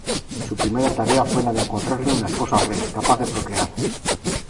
Su primera tarea fue la de encontrarle una esposa al Rey, capaz de procrear.